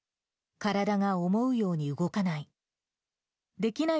体が思うように動かない。